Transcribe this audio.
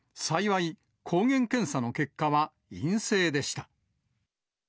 幸い、抗原検査の結果は陰性でした。